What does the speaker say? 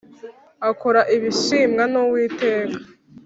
Akora ibishimwa n’ Uwiteka.